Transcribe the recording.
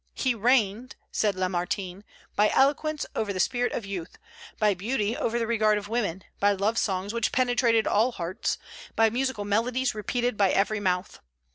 "He reigned," says Lamartine, "by eloquence over the spirit of youth, by beauty over the regard of women, by love songs which penetrated all hearts, by musical melodies repeated by every mouth.